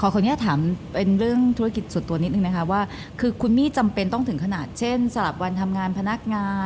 ขออนุญาตถามเป็นเรื่องธุรกิจส่วนตัวนิดนึงนะคะว่าคือคุณมี่จำเป็นต้องถึงขนาดเช่นสลับวันทำงานพนักงาน